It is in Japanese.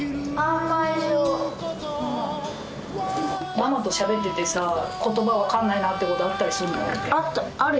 ママとしゃべっててさ言葉分かんないなってことあったりするの？